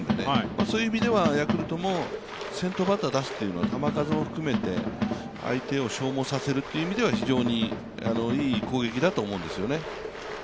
そういう意味ではヤクルトも先頭バッター出すというのは球数を含めて、相手を消耗させるという意味では非常にいい攻撃だと思うんですよね。